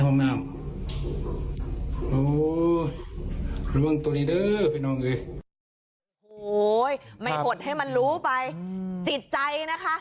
โอ้โหไม่หดให้มันรู้ไปจิตใจนะคะ